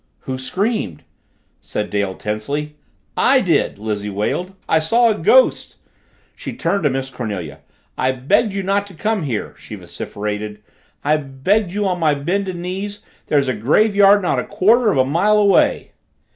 "Who screamed?" said Dale tensely. "I did!" Lizzie wailed, "I saw a ghost!" She turned to Miss Cornelia. "I begged you not to come here," she vociferated. "I begged you on my bended knees. There's a graveyard not a quarter of a mile away."